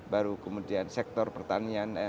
baru kemudian sektor pertanian